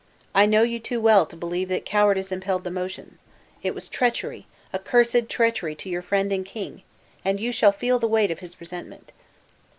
I know you too well to believe that cowardice impelled the motion. It was treachery, accursed treachery to your friend and king; and you shall feel the weight of his resentment!"